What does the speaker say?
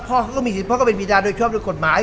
พ่อคงมีสิทธิ์เพราะเขาเป็นบิดาชอบโดยกฎหมาย